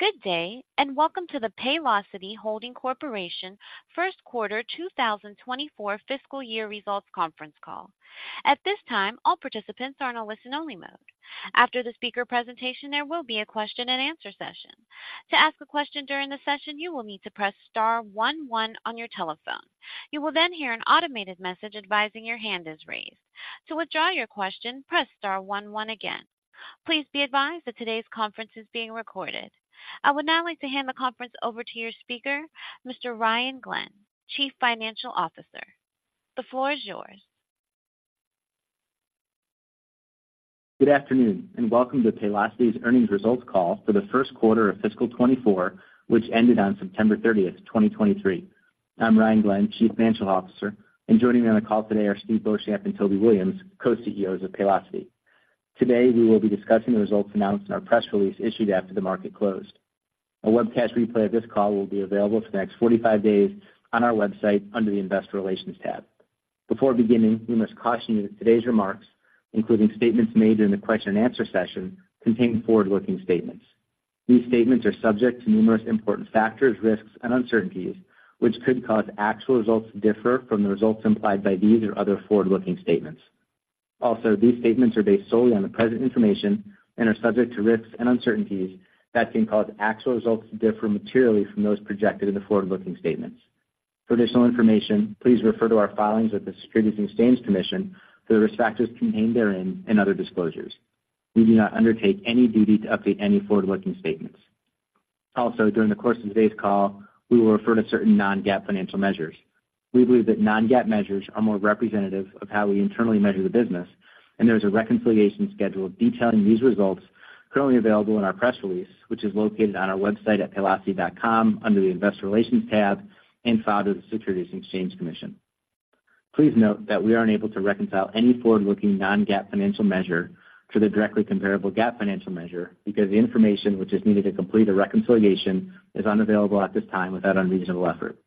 Good day, and welcome to the Paylocity Holding Corporation First Quarter 2024 Fiscal Year Results Conference Call. At this time, all participants are in a listen-only mode. After the speaker presentation, there will be a question-and-answer session. To ask a question during the session, you will need to press star one one on your telephone. You will then hear an automated message advising your hand is raised. To withdraw your question, press star one one again. Please be advised that today's conference is being recorded. I would now like to hand the conference over to your speaker, Mr. Ryan Glenn, Chief Financial Officer. The floor is yours. Good afternoon, and welcome to Paylocity's earnings results call for the first quarter of fiscal 2024, which ended on September 30th, 2023. I'm Ryan Glenn, Chief Financial Officer, and joining me on the call today are Steve Beauchamp and Toby Williams, Co-CEOs of Paylocity. Today, we will be discussing the results announced in our press release issued after the market closed. A webcast replay of this call will be available for the next 45 days on our website under the Investor Relations tab. Before beginning, we must caution you that today's remarks, including statements made during the question and answer session, contain forward-looking statements. These statements are subject to numerous important factors, risks, and uncertainties, which could cause actual results to differ from the results implied by these or other forward-looking statements. Also, these statements are based solely on the present information and are subject to risks and uncertainties that can cause actual results to differ materially from those projected in the forward-looking statements. For additional information, please refer to our filings with the Securities and Exchange Commission for the risk factors contained therein and other disclosures. We do not undertake any duty to update any forward-looking statements. Also, during the course of today's call, we will refer to certain non-GAAP financial measures. We believe that non-GAAP measures are more representative of how we internally measure the business, and there is a reconciliation schedule detailing these results currently available in our press release, which is located on our website at paylocity.com under the Investor Relations tab and filed with the Securities and Exchange Commission. Please note that we aren't able to reconcile any forward-looking non-GAAP financial measure to the directly comparable GAAP financial measure because the information which is needed to complete a reconciliation is unavailable at this time without unreasonable effort.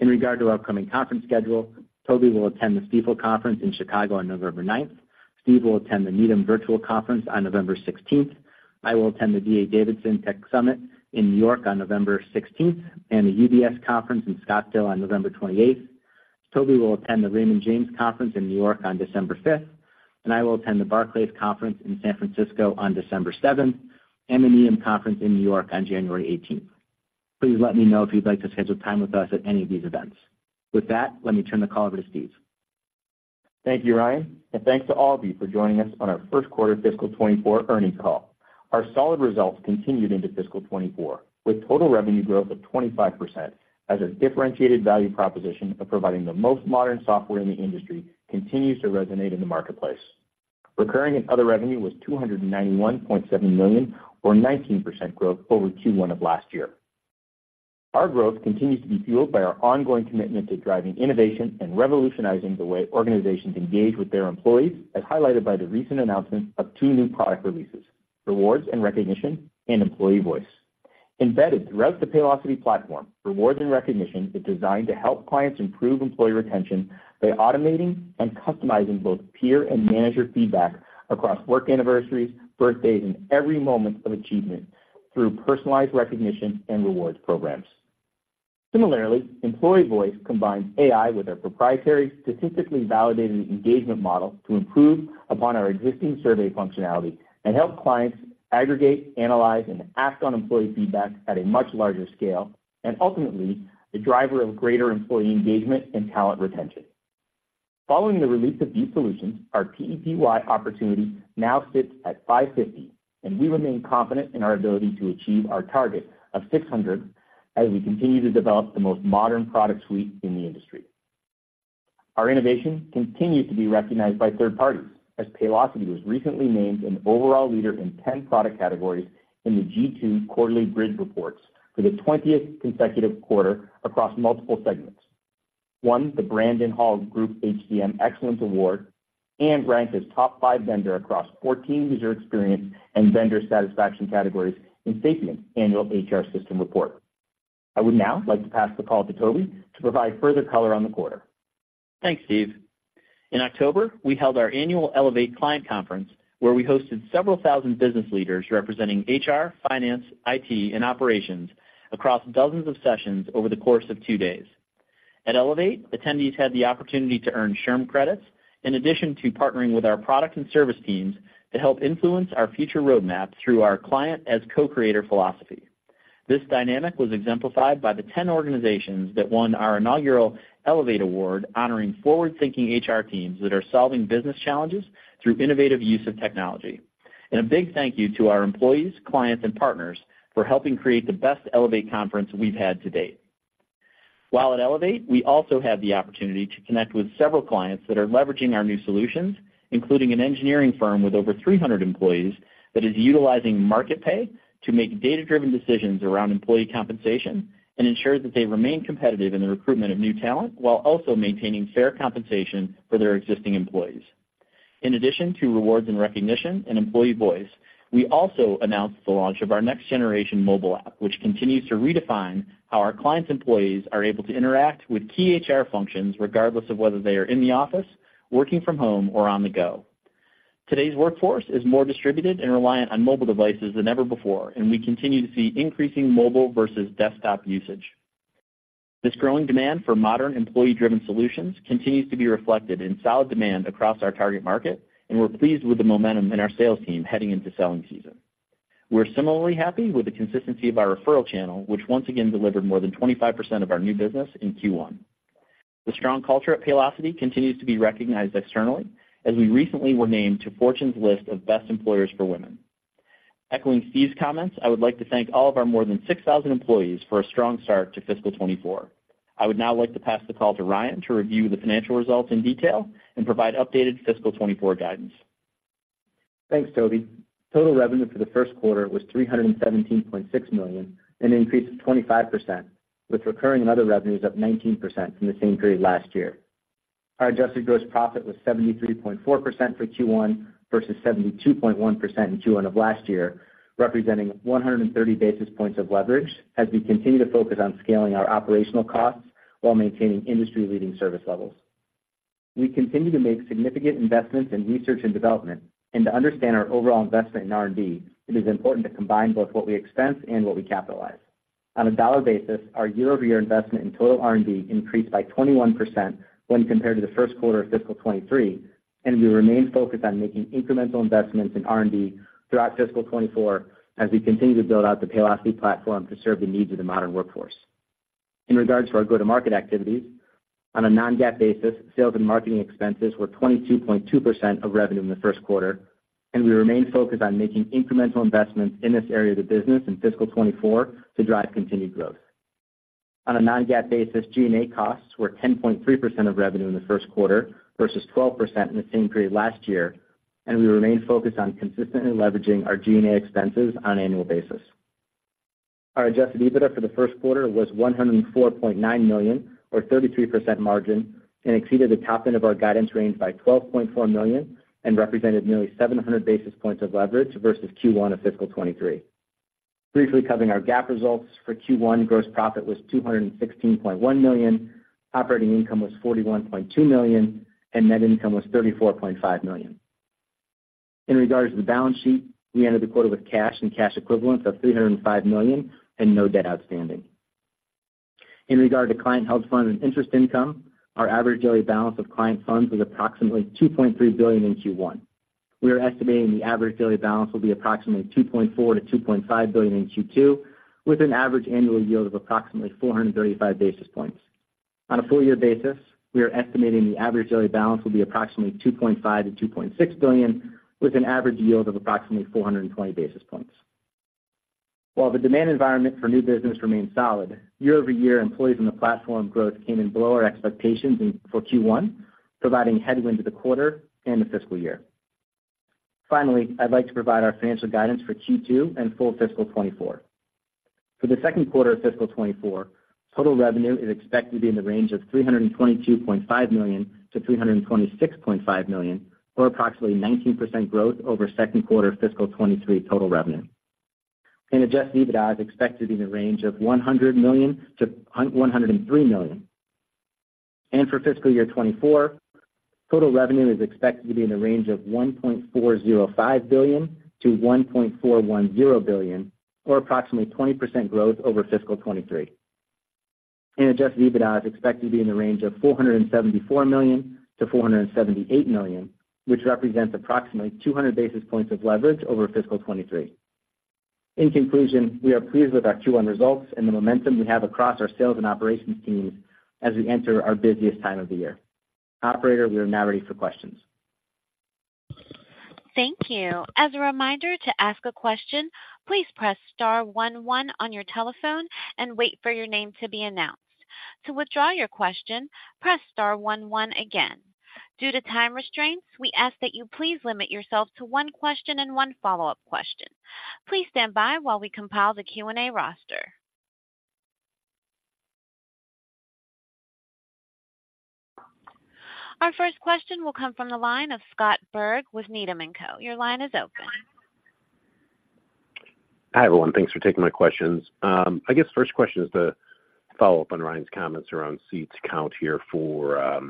In regard to upcoming conference schedule, Toby will attend the Stifel Conference in Chicago on November 9th. Steve will attend the Needham Virtual Conference on November 16th. I will attend the D.A. Davidson Tech Summit in New York on November 16th and the UBS Conference in Scottsdale on November 28th. Toby will attend the Raymond James Conference in New York on December 5th, and I will attend the Barclays Conference in San Francisco on December 7th and the Needham Conference in New York on January 18th. Please let me know if you'd like to schedule time with us at any of these events. With that, let me turn the call over to Steve. Thank you, Ryan, and thanks to all of you for joining us on our first quarter fiscal 2024 earnings call. Our solid results continued into fiscal 2024, with total revenue growth of 25% as a differentiated value proposition of providing the most modern software in the industry continues to resonate in the marketplace. Recurring and other revenue was $291.7 million, or 19% growth over Q1 of last year. Our growth continues to be fueled by our ongoing commitment to driving innovation and revolutionizing the way organizations engage with their employees, as highlighted by the recent announcement of two new product releases: Rewards and Recognition and Employee Voice. Embedded throughout the Paylocity platform, Rewards and Recognition is designed to help clients improve employee retention by automating and customizing both peer and manager feedback across work anniversaries, birthdays, and every moment of achievement through personalized recognition and rewards programs. Similarly, Employee Voice combines AI with our proprietary, statistically validated engagement model to improve upon our existing survey functionality and help clients aggregate, analyze, and act on employee feedback at a much larger scale and ultimately a driver of greater employee engagement and talent retention. Following the release of these solutions, our PEPY opportunity now sits at $550, and we remain confident in our ability to achieve our target of $600 as we continue to develop the most modern product suite in the industry. Our innovation continues to be recognized by third parties, as Paylocity was recently named an overall leader in 10 product categories in the G2 quarterly Grid reports for the 20th consecutive quarter across multiple segments, won the Brandon Hall Group HCM Excellence Award, and ranked as top five vendor across 14 user experience and vendor satisfaction categories in Sapient Insights annual HR System report. I would now like to pass the call to Toby to provide further color on the quarter. Thanks, Steve. In October, we held our annual Elevate client conference, where we hosted several thousand business leaders representing HR, finance, IT, and operations across dozens of sessions over the course of two days. At Elevate, attendees had the opportunity to earn SHRM credits, in addition to partnering with our product and service teams to help influence our future roadmap through our Client as Co-Creator philosophy. This dynamic was exemplified by the 10 organizations that won our inaugural Elevate Award, honoring forward-thinking HR teams that are solving business challenges through innovative use of technology. A big thank you to our employees, clients, and partners for helping create the best Elevate conference we've had to date. While at Elevate, we also had the opportunity to connect with several clients that are leveraging our new solutions, including an engineering firm with over 300 employees that is utilizing Market Pay to make data-driven decisions around employee compensation and ensure that they remain competitive in the recruitment of new talent, while also maintaining fair compensation for their existing employees. In addition to Rewards and Recognition and Employee Voice, we also announced the launch of our next-generation mobile app, which continues to redefine how our clients' employees are able to interact with key HR functions, regardless of whether they are in the office, working from home, or on the go. Today's workforce is more distributed and reliant on mobile devices than ever before, and we continue to see increasing mobile versus desktop usage. This growing demand for modern employee-driven solutions continues to be reflected in solid demand across our target market, and we're pleased with the momentum in our sales team heading into selling season. We're similarly happy with the consistency of our referral channel, which once again delivered more than 25% of our new business in Q1. The strong culture at Paylocity continues to be recognized externally, as we recently were named to Fortune's list of Best Employers for Women. Echoing Steve's comments, I would like to thank all of our more than 6,000 employees for a strong start to fiscal 2024. I would now like to pass the call to Ryan to review the financial results in detail and provide updated fiscal 2024 guidance. Thanks, Toby. Total revenue for the first quarter was $317.6 million, an increase of 25%, with recurring and other revenues up 19% from the same period last year. Our adjusted gross profit was 73.4% for Q1 versus 72.1% in Q1 of last year, representing 130 basis points of leverage as we continue to focus on scaling our operational costs while maintaining industry-leading service levels. We continue to make significant investments in research and development. To understand our overall investment in R&D, it is important to combine both what we expense and what we capitalize. On a dollar basis, our year-over-year investment in total R&D increased by 21% when compared to the first quarter of fiscal 2023, and we remain focused on making incremental investments in R&D throughout fiscal 2024 as we continue to build out the Paylocity platform to serve the needs of the modern workforce. In regards to our go-to-market activities, on a non-GAAP basis, sales and marketing expenses were 22.2% of revenue in the first quarter, and we remain focused on making incremental investments in this area of the business in fiscal 2024 to drive continued growth. On a non-GAAP basis, G&A costs were 10.3% of revenue in the first quarter versus 12% in the same period last year, and we remain focused on consistently leveraging our G&A expenses on an annual basis. Our adjusted EBITDA for the first quarter was $104.9 million, or 33% margin, and exceeded the top end of our guidance range by $12.4 million and represented nearly 700 basis points of leverage versus Q1 of fiscal 2023. Briefly covering our GAAP results, for Q1, gross profit was $216.1 million, operating income was $41.2 million, and net income was $34.5 million. In regards to the balance sheet, we ended the quarter with cash and cash equivalents of $305 million and no debt outstanding. In regard to client-held funds and interest income, our average daily balance of client funds was approximately $2.3 billion in Q1. We are estimating the average daily balance will be approximately $2.4-$2.5 billion in Q2, with an average annual yield of approximately 435 basis points. On a full year basis, we are estimating the average daily balance will be approximately $2.5-$2.6 billion, with an average yield of approximately 420 basis points. While the demand environment for new business remains solid, year-over-year employees in the platform growth came in below our expectations in Q1, providing headwind to the quarter and the fiscal year. Finally, I'd like to provide our financial guidance for Q2 and full fiscal 2024. For the second quarter of fiscal 2024, total revenue is expected to be in the range of $322.5 million-$326.5 million, or approximately 19% growth over second quarter fiscal 2023 total revenue. Adjusted EBITDA is expected to be in the range of $100 million-$103 million. For fiscal year 2024, total revenue is expected to be in the range of $1.405 billion-$1.410 billion, or approximately 20% growth over fiscal 2023. Adjusted EBITDA is expected to be in the range of $474 million-$478 million, which represents approximately 200 basis points of leverage over fiscal 2023. In conclusion, we are pleased with our Q1 results and the momentum we have across our sales and operations teams as we enter our busiest time of the year. Operator, we are now ready for questions. Thank you. As a reminder, to ask a question, please press star one one on your telephone and wait for your name to be announced. To withdraw your question, press star one one again. Due to time restraints, we ask that you please limit yourself to one question and one follow-up question. Please stand by while we compile the Q&A roster. Our first question will come from the line of Scott Berg with Needham and Co. Your line is open. Hi, everyone. Thanks for taking my questions. I guess first question is to follow up on Ryan's comments around seat count here for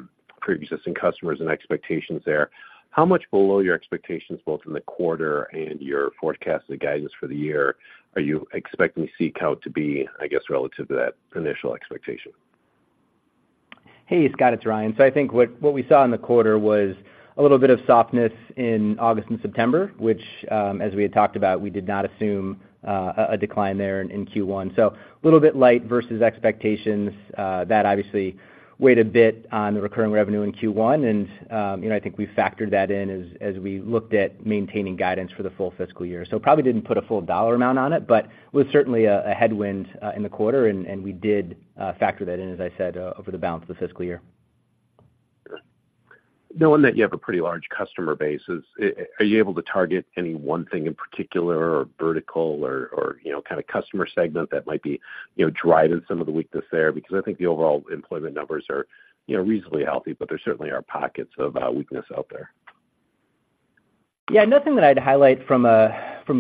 pre-existing customers and expectations there. How much below your expectations, both in the quarter and your forecasted guidance for the year, are you expecting seat count to be, I guess, relative to that initial expectation? Hey, Scott, it's Ryan. So I think what we saw in the quarter was a little bit of softness in August and September, which, as we had talked about, we did not assume a decline there in Q1. So a little bit light versus expectations. That obviously weighed a bit on the recurring revenue in Q1, and, you know, I think we factored that in as we looked at maintaining guidance for the full fiscal year. So probably didn't put a full dollar amount on it, but it was certainly a headwind in the quarter, and we did factor that in, as I said, over the balance of the fiscal year. Knowing that you have a pretty large customer base, is, are you able to target any one thing in particular, or vertical or, or, you know, kind of customer segment that might be, you know, driving some of the weakness there? Because I think the overall employment numbers are, you know, reasonably healthy, but there certainly are pockets of weakness out there. Yeah, nothing that I'd highlight from a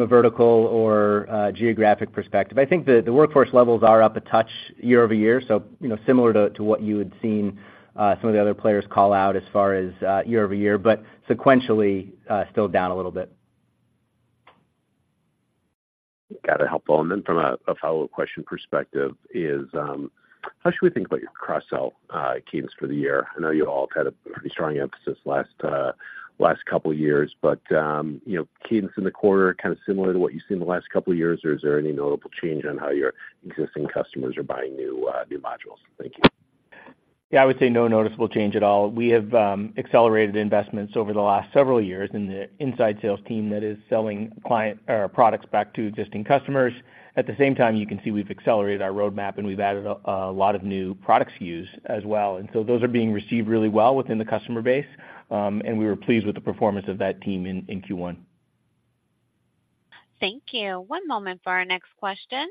vertical or geographic perspective. I think the workforce levels are up a touch year-over-year, so, you know, similar to what you had seen, some of the other players call out as far as year-over-year, but sequentially, still down a little bit. Got it, helpful. And then from a follow question perspective is, how should we think about your cross-sell cadence for the year? I know you all have had a pretty strong emphasis last couple of years, but, you know, cadence in the quarter, kind of similar to what you've seen in the last couple of years, or is there any notable change on how your existing customers are buying new modules? Thank you. Yeah, I would say no noticeable change at all. We have accelerated investments over the last several years in the inside sales team that is selling add-on products back to existing customers. At the same time, you can see we've accelerated our roadmap, and we've added a lot of new product SKUs as well, and so those are being received really well within the customer base. And we were pleased with the performance of that team in Q1. Thank you. One moment for our next question.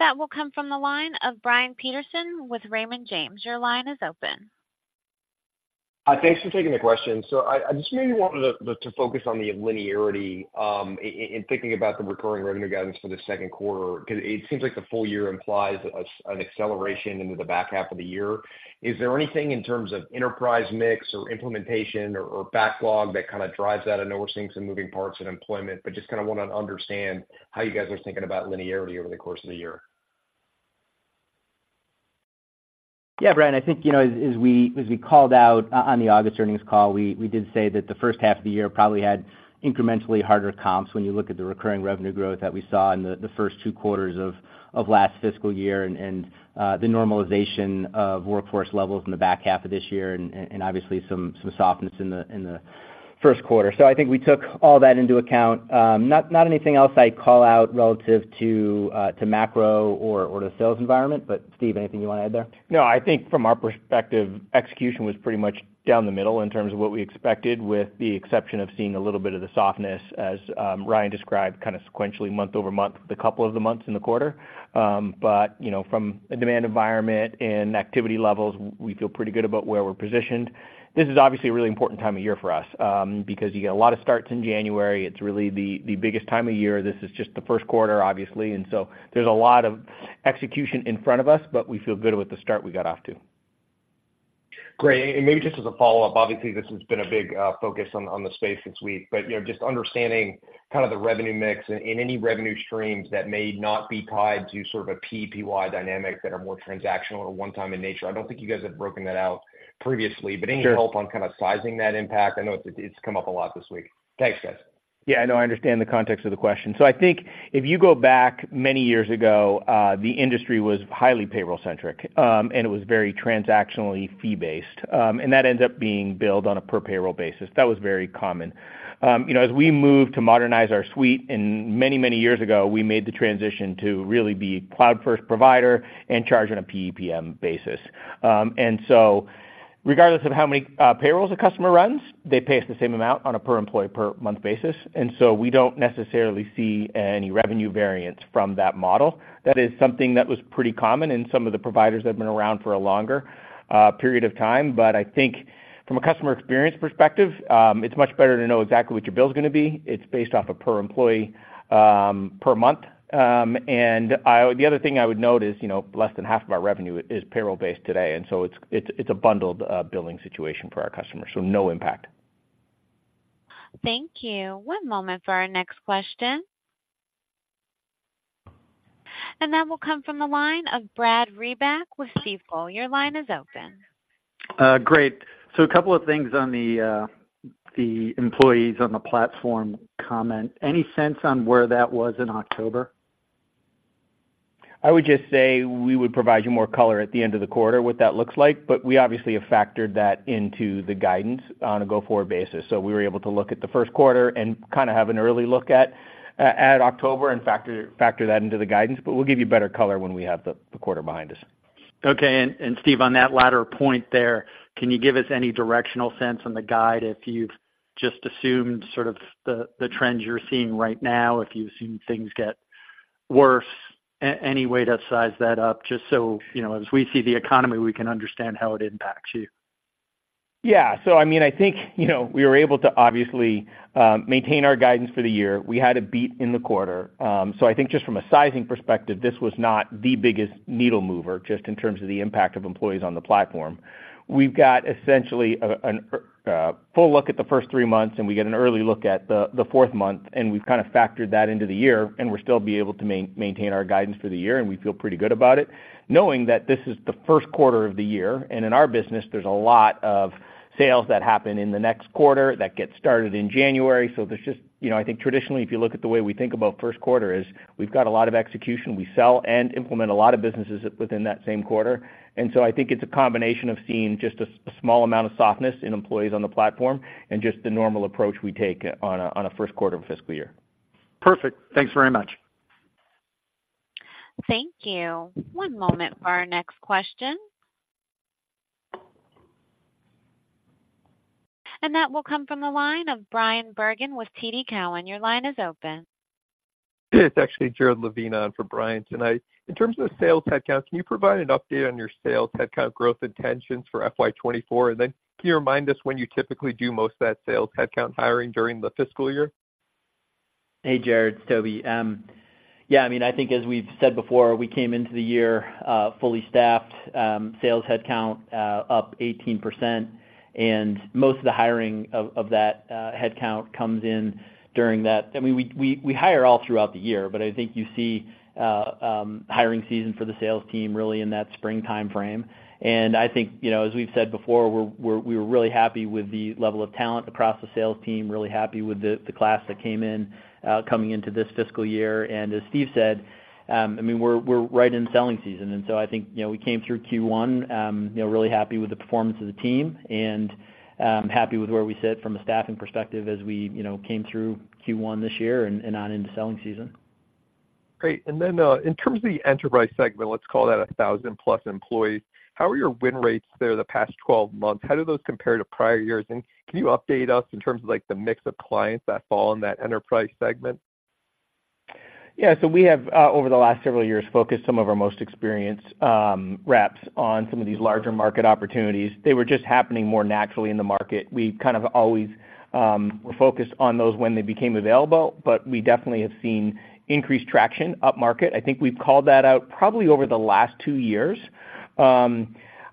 That will come from the line of Brian Peterson with Raymond James. Your line is open. Thanks for taking the question. So I just maybe wanted to focus on the linearity in thinking about the recurring revenue guidance for the second quarter, because it seems like the full year implies an acceleration into the back half of the year. Is there anything in terms of enterprise mix or implementation or backlog that kind of drives that? I know we're seeing some moving parts in employment, but just kind of want to understand how you guys are thinking about linearity over the course of the year. Yeah, Brian, I think, you know, as we called out on the August earnings call, we did say that the first half of the year probably had incrementally harder comps when you look at the recurring revenue growth that we saw in the first two quarters of last fiscal year and the normalization of workforce levels in the back half of this year and obviously some softness in the first quarter. So I think we took all that into account. Not anything else I'd call out relative to macro or to sales environment. But Steve, anything you want to add there? No, I think from our perspective, execution was pretty much down the middle in terms of what we expected, with the exception of seeing a little bit of the softness as Ryan described, kind of sequentially month-over-month, the couple of the months in the quarter. But, you know, from a demand environment and activity levels, we feel pretty good about where we're positioned. This is obviously a really important time of year for us, because you get a lot of starts in January. It's really the biggest time of year. This is just the first quarter, obviously, and so there's a lot of execution in front of us, but we feel good with the start we got off to. Great. And maybe just as a follow-up, obviously, this has been a big focus on the space this week, but, you know, just understanding kind of the revenue mix in any revenue streams that may not be tied to sort of a PEPY dynamic that are more transactional or one time in nature. I don't think you guys have broken that out previously. Sure.Any help on kind of sizing that impact? I know it's, it's come up a lot this week. Thanks, guys. Yeah, I know. I understand the context of the question. So I think if you go back many years ago, the industry was highly payroll-centric, and it was very transactionally fee-based, and that ends up being billed on a per payroll basis. That was very common. You know, as we moved to modernize our suite and many, many years ago, we made the transition to really be cloud first provider and charge on a PEPM basis. And so regardless of how many payrolls a customer runs, they pay us the same amount on a per employee per month basis, and so we don't necessarily see any revenue variance from that model. That is something that was pretty common in some of the providers that have been around for a longer period of time. But I think from a customer experience perspective, it's much better to know exactly what your bill is gonna be. It's based off a per employee per month. The other thing I would note is, you know, less than half of our revenue is payroll-based today, and so it's a bundled billing situation for our customers, so no impact. Thank you. One moment for our next question. That will come from the line of Brad Reback with Stifel. Your line is open. Great. So a couple of things on the employees on the platform comment. Any sense on where that was in October? I would just say we would provide you more color at the end of the quarter, what that looks like, but we obviously have factored that into the guidance on a go-forward basis. So we were able to look at the first quarter and kind of have an early look at October and factor that into the guidance, but we'll give you better color when we have the quarter behind us. Okay. Steve, on that latter point there, can you give us any directional sense on the guide if you've just assumed sort of the trends you're seeing right now, if you've seen things get worse, any way to size that up, just so, you know, as we see the economy, we can understand how it impacts you? Yeah. So I mean, I think, you know, we were able to obviously maintain our guidance for the year. We had a beat in the quarter. So I think just from a sizing perspective, this was not the biggest needle mover, just in terms of the impact of employees on the platform. We've got essentially a full look at the first three months, and we get an early look at the fourth month, and we've kind of factored that into the year, and we'll still be able to maintain our guidance for the year, and we feel pretty good about it, knowing that this is the first quarter of the year. And in our business, there's a lot of sales that happen in the next quarter that get started in January. So there's just... You know, I think traditionally, if you look at the way we think about first quarter is, we've got a lot of execution. We sell and implement a lot of businesses within that same quarter. And so I think it's a combination of seeing just a small amount of softness in employees on the platform and just the normal approach we take on a first quarter of a fiscal year. Perfect. Thanks very much. Thank you. One moment for our next question. That will come from the line of Brian Bergen with TD Cowen. Your line is open. It's actually Jared Levine on for Brian tonight. In terms of sales headcount, can you provide an update on your sales headcount growth intentions for FY 2024? And then can you remind us when you typically do most of that sales headcount hiring during the fiscal year? Hey, Jared, it's Toby. Yeah, I mean, I think as we've said before, we came into the year fully staffed sales headcount up 18%, and most of the hiring of that headcount comes in during that. I mean, we hire all throughout the year, but I think you see hiring season for the sales team really in that spring timeframe. And I think, you know, as we've said before, we were really happy with the level of talent across the sales team, really happy with the class that came in coming into this fiscal year. And as Steve said, I mean, we're right in selling season. And so I think, you know, we came through Q1, you know, really happy with the performance of the team, and happy with where we sit from a staffing perspective as we, you know, came through Q1 this year and on into selling season. Great. And then, in terms of the enterprise segment, let's call that 1,000+ employees, how are your win rates there the past 12 months? How do those compare to prior years? And can you update us in terms of, like, the mix of clients that fall in that enterprise segment? Yeah, so we have, over the last several years, focused some of our most experienced reps on some of these larger market opportunities. They were just happening more naturally in the market. We kind of always were focused on those when they became available, but we definitely have seen increased traction upmarket. I think we've called that out probably over the last two years.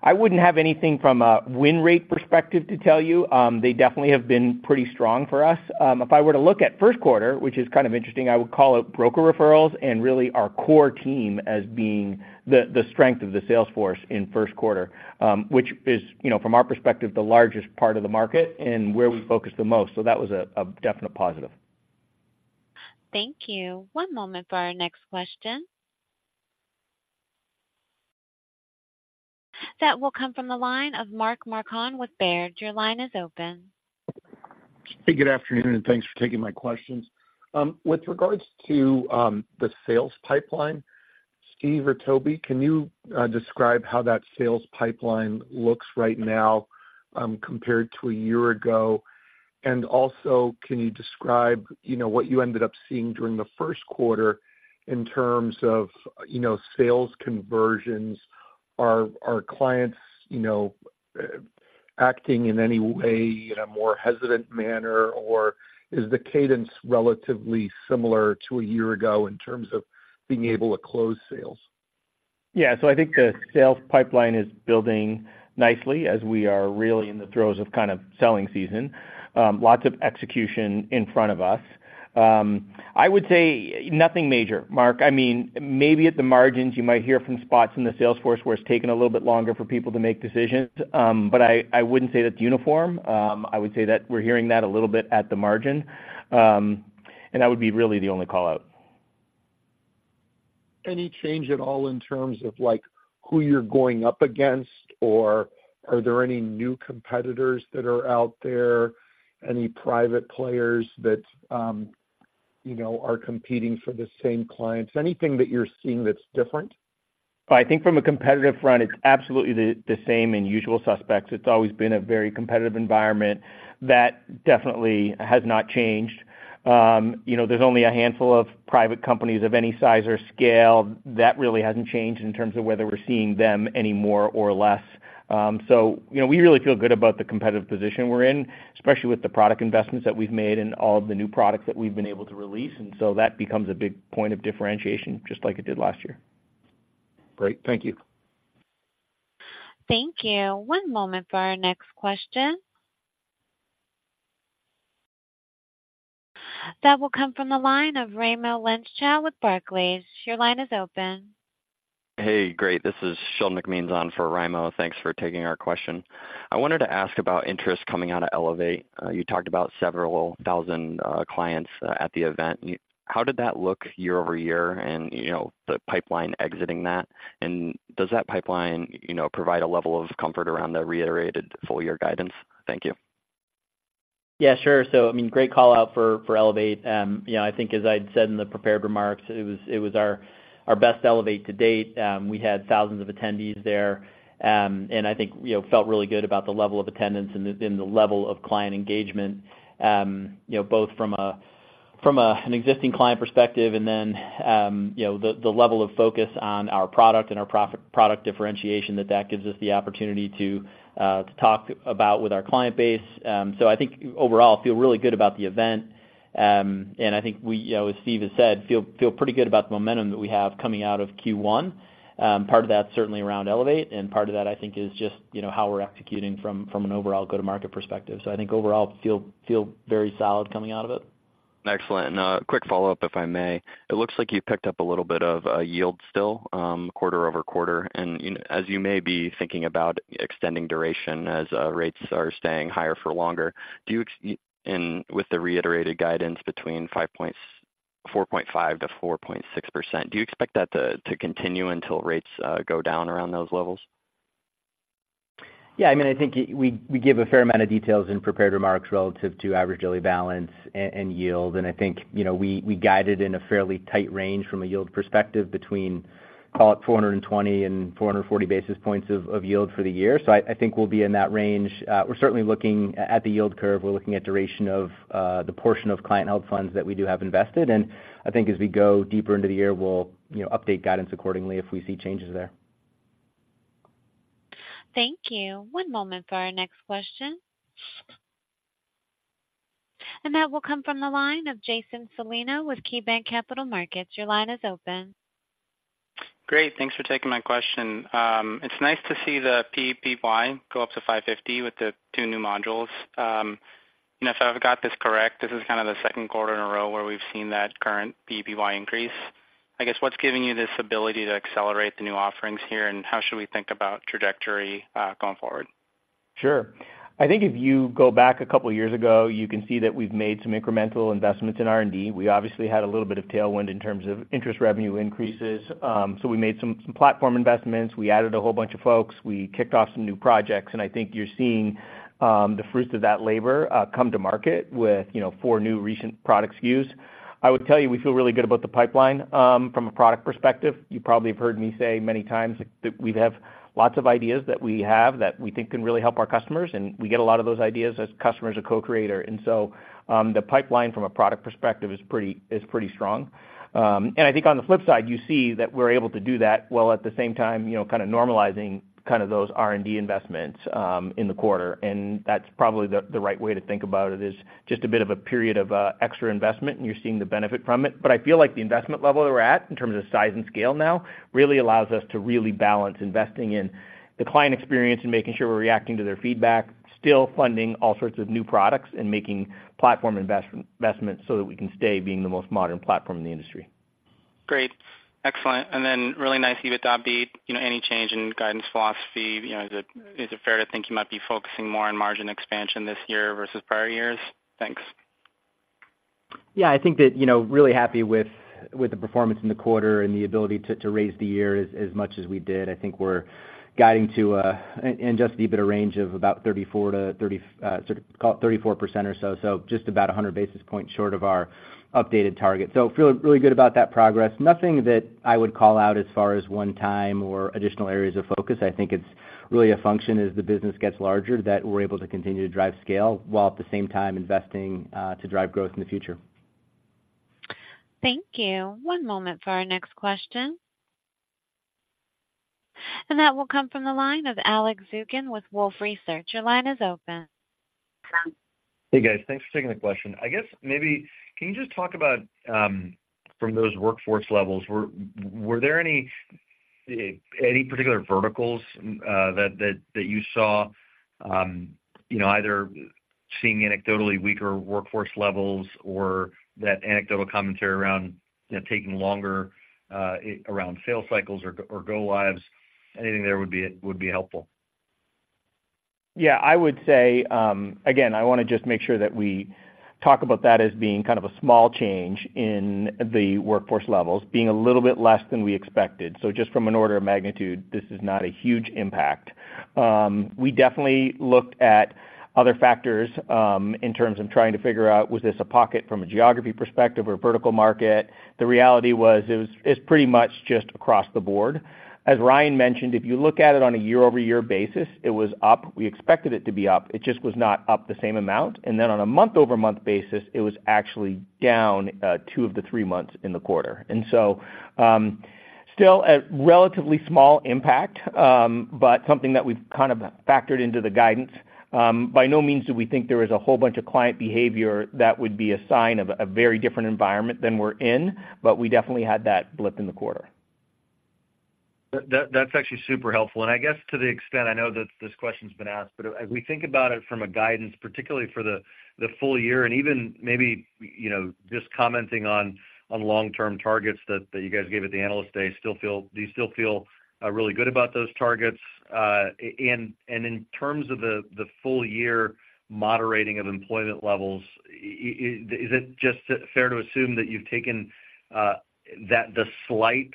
I wouldn't have anything from a win rate perspective to tell you. They definitely have been pretty strong for us. If I were to look at first quarter, which is kind of interesting, I would call out broker referrals and really our core team as being the strength of the sales force in first quarter, which is, you know, from our perspective, the largest part of the market and where we focus the most. So that was a definite positive. Thank you. One moment for our next question. That will come from the line of Mark Marcon with Baird. Your line is open. Hey, good afternoon, and thanks for taking my questions. With regards to the sales pipeline, Steve or Toby, can you describe how that sales pipeline looks right now, compared to a year ago? And also, can you describe, you know, what you ended up seeing during the first quarter in terms of, you know, sales conversions? Are clients, you know, acting in any way in a more hesitant manner, or is the cadence relatively similar to a year ago in terms of being able to close sales? Yeah, so I think the sales pipeline is building nicely as we are really in the throes of kind of selling season. Lots of execution in front of us. I would say nothing major, Mark. I mean, maybe at the margins, you might hear from spots in the sales force where it's taking a little bit longer for people to make decisions, but I wouldn't say that's uniform. I would say that we're hearing that a little bit at the margin, and that would be really the only call-out. Any change at all in terms of, like, who you're going up against, or are there any new competitors that are out there, any private players that, you know, are competing for the same clients? Anything that you're seeing that's different? I think from a competitive front, it's absolutely the same and usual suspects. It's always been a very competitive environment. That definitely has not changed. You know, there's only a handful of private companies of any size or scale. That really hasn't changed in terms of whether we're seeing them any more or less. So, you know, we really feel good about the competitive position we're in, especially with the product investments that we've made and all of the new products that we've been able to release, and so that becomes a big point of differentiation, just like it did last year. Great. Thank you. Thank you. One moment for our next question. That will come from the line of Raimo Lenschow with Barclays. Your line is open. Hey, great. This is Sheldon McMeans on for Raimo. Thanks for taking our question. I wanted to ask about interest coming out of Elevate. You talked about several thousand clients at the event. How did that look year-over-year and, you know, the pipeline exiting that? And does that pipeline, you know, provide a level of comfort around the reiterated full year guidance? Thank you. Yeah, sure. So, I mean, great call out for Elevate. You know, I think as I'd said in the prepared remarks, it was our best Elevate to date. We had thousands of attendees there, and I think, you know, felt really good about the level of attendance and the level of client engagement, you know, both from an existing client perspective and then, you know, the level of focus on our product and our product differentiation, that gives us the opportunity to talk about with our client base. So I think overall, feel really good about the event. And I think we, you know, as Steve has said, feel pretty good about the momentum that we have coming out of Q1. Part of that's certainly around Elevate, and part of that, I think, is just, you know, how we're executing from an overall go-to-market perspective. So I think overall feel very solid coming out of it. Excellent. And, quick follow-up, if I may. It looks like you've picked up a little bit of yield still, quarter-over-quarter. And you know, as you may be thinking about extending duration as rates are staying higher for longer, do you, and with the reiterated guidance between 4.5%-4.6%, do you expect that to, to continue until rates go down around those levels? Yeah, I mean, I think we, we give a fair amount of details in prepared remarks relative to average daily balance and yield. And I think, you know, we, we guided in a fairly tight range from a yield perspective between, call it, 420 and 440 basis points of yield for the year. So I, I think we'll be in that range. We're certainly looking at the yield curve. We're looking at duration of the portion of client held funds that we do have invested, and I think as we go deeper into the year, we'll, you know, update guidance accordingly if we see changes there. Thank you. One moment for our next question. That will come from the line of Jason Celino with KeyBanc Capital Markets. Your line is open. Great. Thanks for taking my question. It's nice to see the PEPY go up to $550 with the two new modules. If I've got this correct, this is kinda the second quarter in a row where we've seen that current PEPY increase. I guess, what's giving you this ability to accelerate the new offerings here, and how should we think about trajectory going forward? Sure. I think if you go back a couple of years ago, you can see that we've made some incremental investments in R&D. We obviously had a little bit of tailwind in terms of interest revenue increases. So we made some platform investments. We added a whole bunch of folks. We kicked off some new projects, and I think you're seeing the fruits of that labor come to market with, you know, four new recent product SKUs. I would tell you, we feel really good about the pipeline from a product perspective. You probably have heard me say many times that we have lots of ideas that we have that we think can really help our customers, and we get a lot of those ideas as customers or co-creator. And so, the pipeline from a product perspective is pretty strong. I think on the flip side, you see that we're able to do that, while at the same time, you know, kinda normalizing those R&D investments in the quarter, and that's probably the right way to think about it. Is just a bit of a period of extra investment, and you're seeing the benefit from it. But I feel like the investment level that we're at, in terms of size and scale now, really allows us to really balance investing in the client experience and making sure we're reacting to their feedback, still funding all sorts of new products and making platform investments so that we can stay being the most modern platform in the industry. Great. Excellent. And then really nice to see with that beat, you know, any change in guidance philosophy? You know, is it, is it fair to think you might be focusing more on margin expansion this year versus prior years? Thanks. Yeah, I think that, you know, really happy with the performance in the quarter and the ability to raise the year as much as we did. I think we're guiding to a... In just a bit of range of about 34-30, sort of call it 34% or so, so just about 100 basis points short of our updated target. So feel really good about that progress. Nothing that I would call out as far as one time or additional areas of focus. I think it's really a function as the business gets larger, that we're able to continue to drive scale, while at the same time investing to drive growth in the future. Thank you. One moment for our next question. That will come from the line of Alex Zukin with Wolfe Research. Your line is open. Hey, guys. Thanks for taking the question. I guess maybe, can you just talk about, from those workforce levels, were there any particular verticals that you saw, you know, either seeing anecdotally weaker workforce levels or that anecdotal commentary around, you know, taking longer around sales cycles or go lives? Anything there would be helpful. Yeah, I would say, Again, I wanna just make sure that we talk about that as being kind of a small change in the workforce levels, being a little bit less than we expected. So just from an order of magnitude, this is not a huge impact. We definitely looked at other factors, in terms of trying to figure out, was this a pocket from a geography perspective or a vertical market? The reality was, it's pretty much just across the board. As Ryan mentioned, if you look at it on a year-over-year basis, it was up. We expected it to be up. It just was not up the same amount. And then on a month-over-month basis, it was actually down, two of the three months in the quarter. And so, still a relatively small impact, but something that we've kind of factored into the guidance. By no means do we think there is a whole bunch of client behavior that would be a sign of a very different environment than we're in, but we definitely had that blip in the quarter. That, that's actually super helpful. And I guess to the extent, I know that this question's been asked, but as we think about it from a guidance, particularly for the full year and even maybe, you know, just commenting on long-term targets that you guys gave at the Analyst Day, do you still feel really good about those targets? And in terms of the full year moderating of employment levels, is it just fair to assume that you've taken that the slight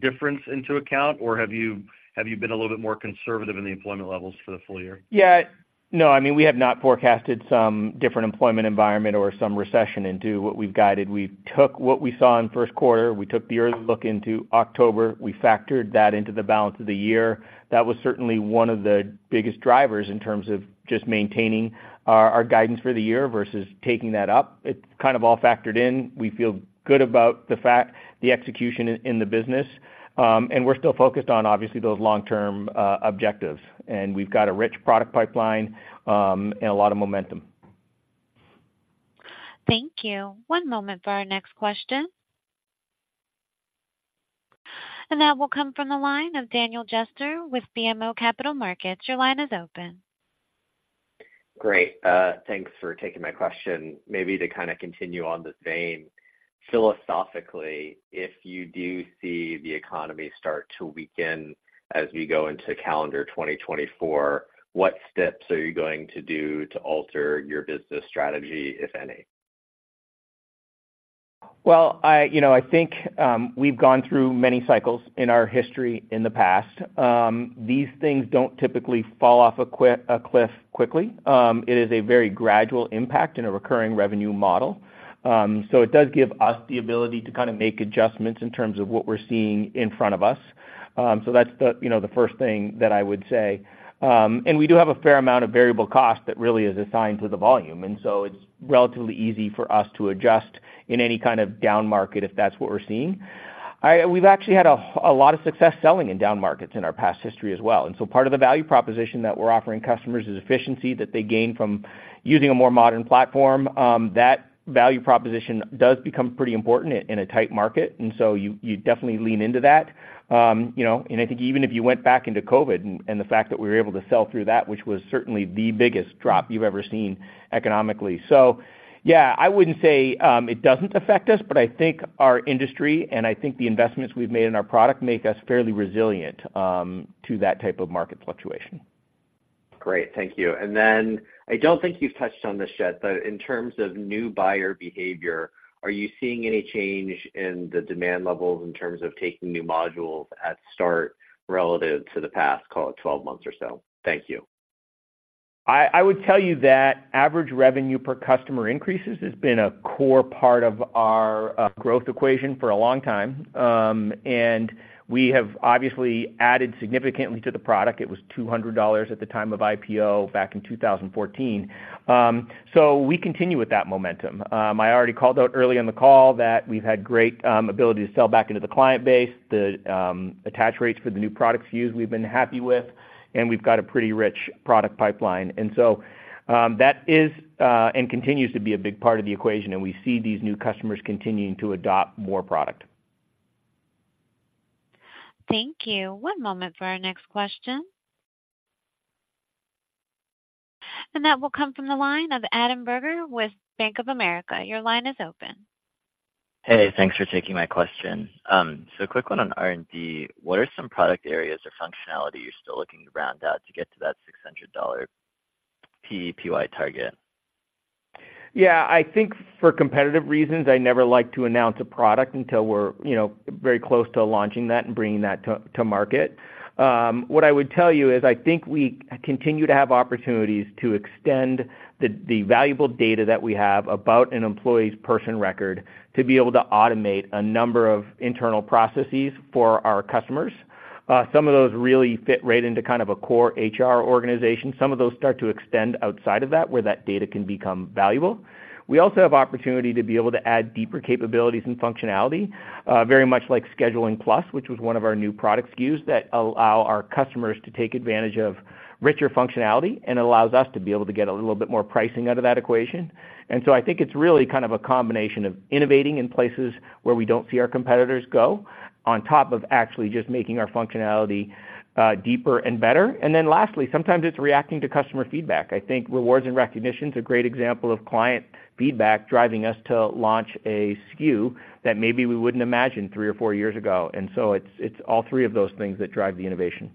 difference into account, or have you been a little bit more conservative in the employment levels for the full year? Yeah. No, I mean, we have not forecasted some different employment environment or some recession into what we've guided. We took what we saw in first quarter, we took the early look into October, we factored that into the balance of the year. That was certainly one of the biggest drivers in terms of just maintaining our guidance for the year versus taking that up. It's kind of all factored in. We feel good about the fact, the execution in the business, and we're still focused on obviously those long-term objectives. And we've got a rich product pipeline, and a lot of momentum. Thank you. One moment for our next question. And that will come from the line of Daniel Jester with BMO Capital Markets. Your line is open. Great. Thanks for taking my question. Maybe to kinda continue on this vein, philosophically, if you do see the economy start to weaken as we go into calendar 2024, what steps are you going to do to alter your business strategy, if any? Well, I, you know, I think, we've gone through many cycles in our history in the past. These things don't typically fall off a cliff quickly. It is a very gradual impact in a recurring revenue model. So it does give us the ability to kind of make adjustments in terms of what we're seeing in front of us. So that's the, you know, the first thing that I would say. And we do have a fair amount of variable cost that really is assigned to the volume, and so it's relatively easy for us to adjust in any kind of down market, if that's what we're seeing. We've actually had a lot of success selling in down markets in our past history as well. Part of the value proposition that we're offering customers is efficiency that they gain from using a more modern platform. That value proposition does become pretty important in, in a tight market, and so you, you definitely lean into that. You know, and I think even if you went back into COVID and, and the fact that we were able to sell through that, which was certainly the biggest drop you've ever seen economically. So yeah, I wouldn't say it doesn't affect us, but I think our industry, and I think the investments we've made in our product, make us fairly resilient to that type of market fluctuation. Great. Thank you. And then I don't think you've touched on this yet, but in terms of new buyer behavior, are you seeing any change in the demand levels in terms of taking new modules at start relative to the past, call it, 12 months or so? Thank you. I would tell you that average revenue per customer increases has been a core part of our growth equation for a long time. We have obviously added significantly to the product. It was $200 at the time of IPO back in 2014. We continue with that momentum. I already called out early in the call that we've had great ability to sell back into the client base. The attach rates for the new product SKUs, we've been happy with, and we've got a pretty rich product pipeline. That is and continues to be a big part of the equation, and we see these new customers continuing to adopt more product. Thank you. One moment for our next question. That will come from the line of Adam Bergere with Bank of America. Your line is open. Hey, thanks for taking my question. So a quick one on R&D. What are some product areas or functionality you're still looking to round out to get to that $600 PEPY target? Yeah, I think for competitive reasons, I never like to announce a product until we're, you know, very close to launching that and bringing that to market. What I would tell you is, I think we continue to have opportunities to extend the valuable data that we have about an employee's person record, to be able to automate a number of internal processes for our customers. Some of those really fit right into kind of a core HR organization. Some of those start to extend outside of that, where that data can become valuable. We also have opportunity to be able to add deeper capabilities and functionality, very much like Scheduling Plus, which was one of our new product SKUs that allow our customers to take advantage of richer functionality, and allows us to be able to get a little bit more pricing out of that equation. And so I think it's really kind of a combination of innovating in places where we don't see our competitors go, on top of actually just making our functionality, deeper and better. And then lastly, sometimes it's reacting to customer feedback. I think Rewards and Recognition's a great example of client feedback driving us to launch a SKU that maybe we wouldn't imagine three or four years ago. And so it's, it's all three of those things that drive the innovation.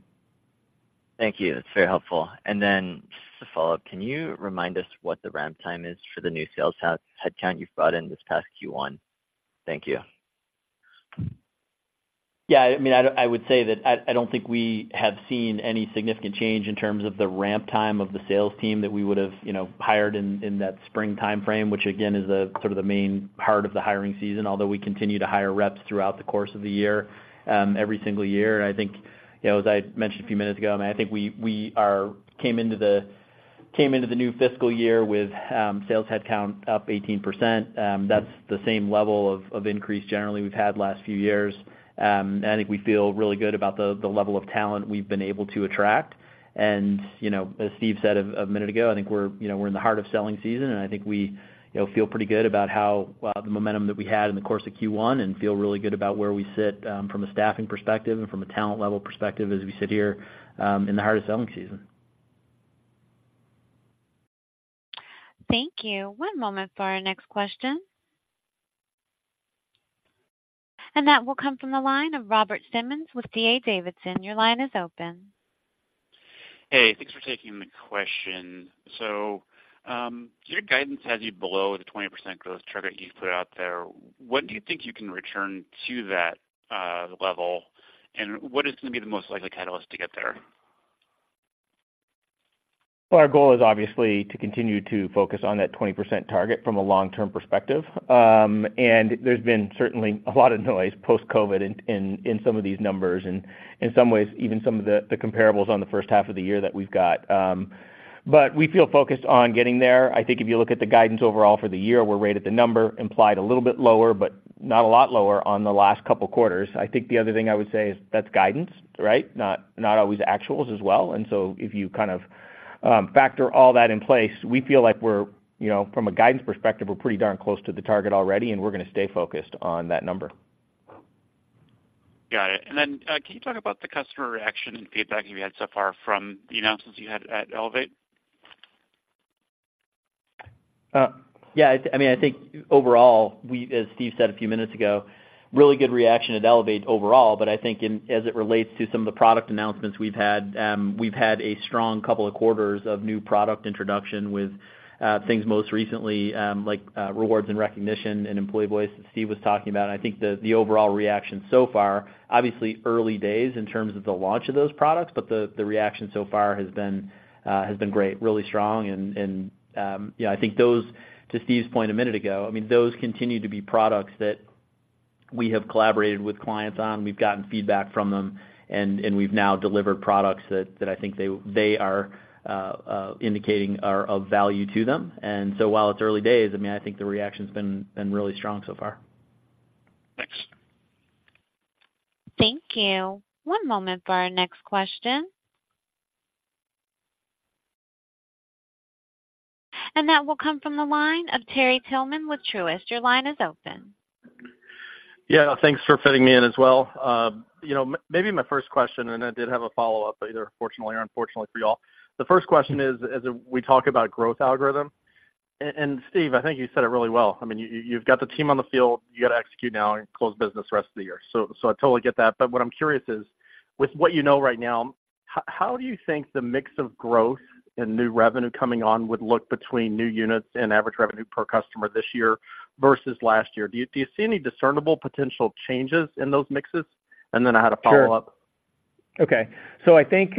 Thank you. That's very helpful. And then just to follow up, can you remind us what the ramp time is for the new sales force headcount you've brought in this past Q1? Thank you. Yeah, I mean, I don't think we have seen any significant change in terms of the ramp time of the sales team that we would've, you know, hired in that spring timeframe, which again is sort of the main part of the hiring season, although we continue to hire reps throughout the course of the year every single year. And I think, you know, as I mentioned a few minutes ago, I mean, I think we came into the new fiscal year with sales headcount up 18%. That's the same level of increase generally we've had last few years. And I think we feel really good about the level of talent we've been able to attract. You know, as Steve said a minute ago, I think we're, you know, we're in the heart of selling season, and I think we, you know, feel pretty good about how the momentum that we had in the course of Q1, and feel really good about where we sit from a staffing perspective and from a talent level perspective as we sit here in the heart of selling season. Thank you. One moment for our next question. That will come from the line of Robert Simmons with D.A. Davidson. Your line is open. Hey, thanks for taking the question. So, your guidance has you below the 20% growth target you put out there. What do you think you can return to that level, and what is gonna be the most likely catalyst to get there? Well, our goal is obviously to continue to focus on that 20% target from a long-term perspective. And there's been certainly a lot of noise post-COVID in some of these numbers, and in some ways, even some of the comparables on the first half of the year that we've got. But we feel focused on getting there. I think if you look at the guidance overall for the year, we're right at the number, implied a little bit lower, but not a lot lower on the last couple quarters. I think the other thing I would say is that's guidance, right? Not always actuals as well. And so if you kind of factor all that in place, we feel like we're, you know, from a guidance perspective, we're pretty darn close to the target already, and we're gonna stay focused on that number. Got it. And then, can you talk about the customer reaction and feedback you've had so far from the announcements you had at Elevate? Yeah, I mean, I think overall, we, as Steve said a few minutes ago, really good reaction at Elevate overall, but I think in, as it relates to some of the product announcements we've had, we've had a strong couple of quarters of new product introduction with things most recently, like, Rewards and Recognition and Employee Voice that Steve was talking about. I think the overall reaction so far, obviously early days in terms of the launch of those products, but the reaction so far has been great, really strong. And yeah, I think those, to Steve's point a minute ago, I mean, those continue to be products that we have collaborated with clients on. We've gotten feedback from them, and we've now delivered products that I think they are indicating are of value to them. And so while it's early days, I mean, I think the reaction's been really strong so far. Thanks. Thank you. One moment for our next question. That will come from the line of Terry Tillman with Truist. Your line is open. Yeah, thanks for fitting me in as well. You know, maybe my first question, and I did have a follow-up, either fortunately or unfortunately for you all. The first question is, as we talk about growth algorithm, and Steve, I think you said it really well. I mean, you, you've got the team on the field, you've got to execute now and close business the rest of the year. So I totally get that. But what I'm curious is, with what you know right now, how do you think the mix of growth and new revenue coming on would look between new units and average revenue per customer this year versus last year? Do you see any discernible potential changes in those mixes? And then I had a follow-up. Sure. Okay. So I think,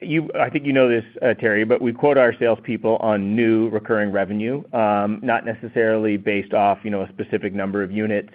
you know this, Terry, but we quote our salespeople on new recurring revenue, not necessarily based off, you know, a specific number of units.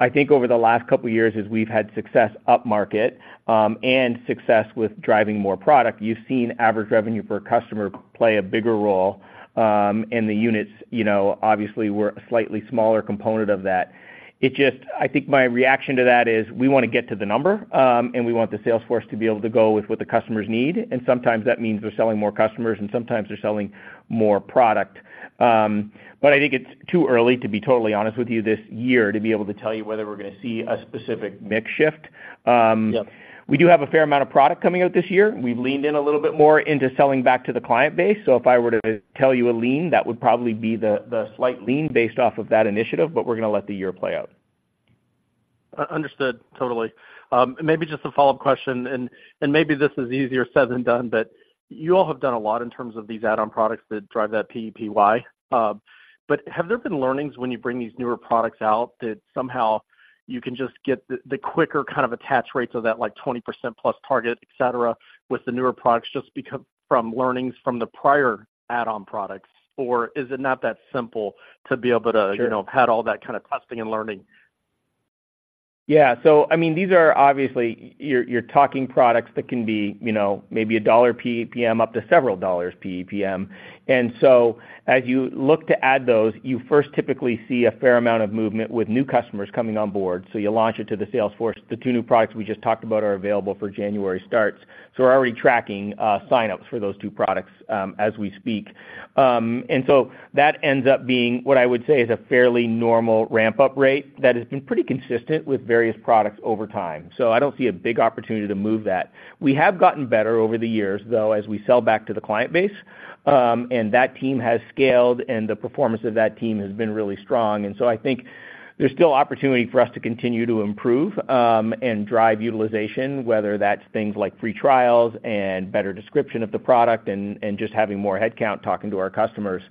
I think over the last couple of years, as we've had success upmarket, and success with driving more product, you've seen average revenue per customer play a bigger role, and the units, you know, obviously, were a slightly smaller component of that. It just... I think my reaction to that is we want to get to the number, and we want the sales force to be able to go with what the customers need, and sometimes that means they're selling more customers, and sometimes they're selling more product. But I think it's too early to be totally honest with you this year, to be able to tell you whether we're going to see a specific mix shift. Yep. We do have a fair amount of product coming out this year. We've leaned in a little bit more into selling back to the client base. So if I were to tell you a lean, that would probably be the slight lean based off of that initiative, but we're going to let the year play out. Understood, totally. Maybe just a follow-up question, and maybe this is easier said than done, but you all have done a lot in terms of these add-on products that drive that PEPY. But have there been learnings when you bring these newer products out that somehow you can just get the quicker kind of attach rates of that, like 20% plus target, et cetera, with the newer products just because from learnings from the prior add-on products? Or is it not that simple to be able to- Sure You know, have had all that kind of testing and learning? Yeah. So, I mean, these are obviously you're talking products that can be, you know, maybe $1 PEPM up to several dollars PEPM. And so as you look to add those, you first typically see a fair amount of movement with new customers coming on board. So you launch it to the sales force. The two new products we just talked about are available for January starts, so we're already tracking signups for those two products as we speak. And so that ends up being what I would say is a fairly normal ramp-up rate that has been pretty consistent with various products over time. So I don't see a big opportunity to move that. We have gotten better over the years, though, as we sell back to the client base, and that team has scaled and the performance of that team has been really strong. And so I think there's still opportunity for us to continue to improve, and drive utilization, whether that's things like free trials and better description of the product and just having more headcount talking to our customers.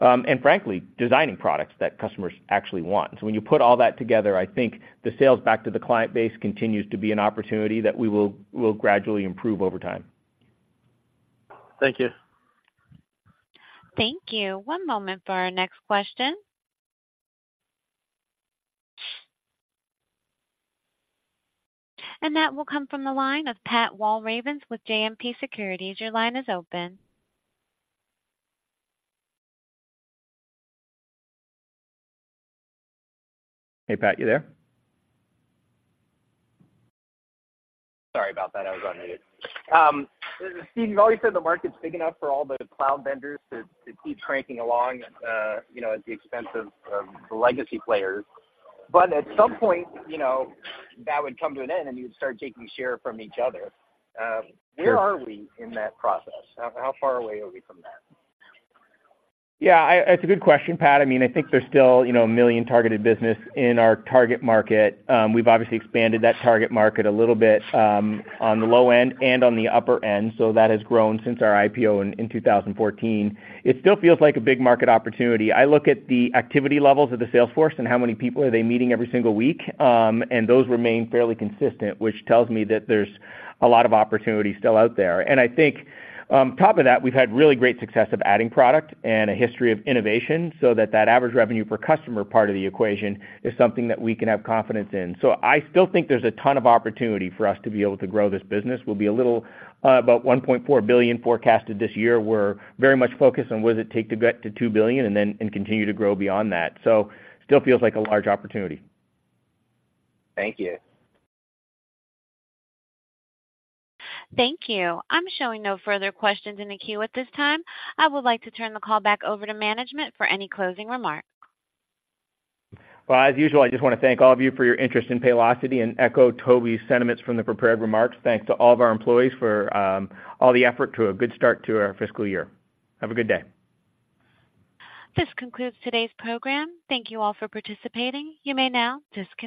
And frankly, designing products that customers actually want. So when you put all that together, I think the sales back to the client base continues to be an opportunity that we will gradually improve over time. Thank you. Thank you. One moment for our next question. That will come from the line of Pat Walravens with JMP Securities. Your line is open. Hey, Pat, you there? Sorry about that. I was on mute. Steve, you've always said the market's big enough for all the cloud vendors to keep cranking along, you know, at the expense of the legacy players. But at some point, you know, that would come to an end, and you'd start taking share from each other. Where are we in that process? How far away are we from that? Yeah, it's a good question, Pat. I mean, I think there's still, you know, 1 million targeted business in our target market. We've obviously expanded that target market a little bit, on the low end and on the upper end, so that has grown since our IPO in 2014. It still feels like a big market opportunity. I look at the activity levels of the sales force and how many people are they meeting every single week, and those remain fairly consistent, which tells me that there's a lot of opportunity still out there. And I think, on top of that, we've had really great success of adding product and a history of innovation so that, that average revenue per customer part of the equation is something that we can have confidence in. So I still think there's a ton of opportunity for us to be able to grow this business. We'll be a little about $1.4 billion forecasted this year. We're very much focused on whether it take to get to $2 billion and then, and continue to grow beyond that. So still feels like a large opportunity. Thank you. Thank you. I'm showing no further questions in the queue at this time. I would like to turn the call back over to management for any closing remarks. Well, as usual, I just want to thank all of you for your interest in Paylocity and echo Toby's sentiments from the prepared remarks. Thanks to all of our employees for all the effort to a good start to our fiscal year. Have a good day. This concludes today's program. Thank you all for participating. You may now disconnect.